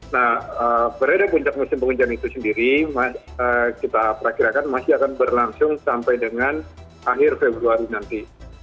nah periode puncak musim penghujan itu sendiri kita perakirakan masih akan berlangsung sampai dengan akhir februari nanti